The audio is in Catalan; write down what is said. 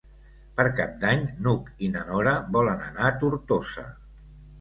Per Cap d'Any n'Hug i na Nora volen anar a Tortosa.